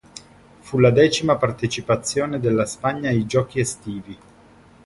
Fu la decima partecipazione della Spagna ai Giochi estivi.